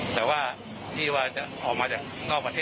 ที่นำเรียนนะครับ